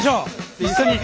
一緒に！